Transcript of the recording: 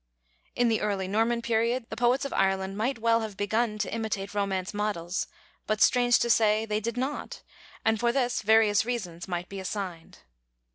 In the early Norman period, the poets of Ireland might well have begun to imitate Romance models. But, strange to say, they did not, and, for this, various reasons might be assigned.